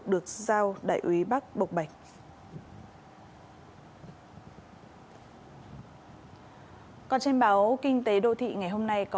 được giao đại ủy bắc bộc bạch